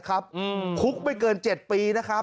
เพิ่มคุกไปเกิน๗ปี